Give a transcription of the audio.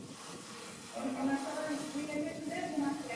Bu tilni faqat mikrofon ko‘taradi.